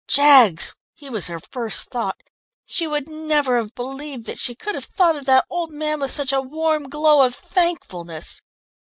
Jaggs! He was her first thought. She would never have believed that she could have thought of that old man with such a warm glow of thankfulness.